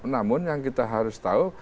namun yang kita harus tahu